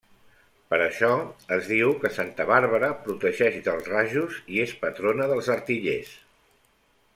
Per això, es diu que santa Bàrbara protegeix dels rajos i és patrona dels artillers.